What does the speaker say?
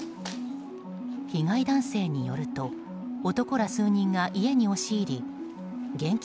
被害男性によると男ら数人が家に押し入り現金